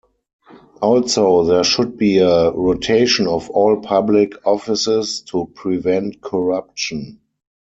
Also, there should be a rotation of all public offices to prevent corruption.